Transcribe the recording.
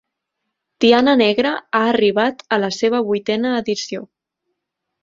Tiana Negra ha arribat a la seva vuitena edició